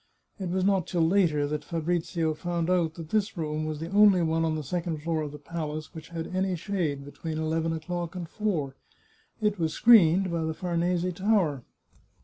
It was not till later that Fabrizio found out that this room was the only one on the second floor of the palace which had any shade between eleven o'clock and four; it was screened by the Farnese Tower.